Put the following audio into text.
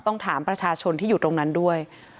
ต้องถามประชาชนที่อยู่ตรงนั้นด้วย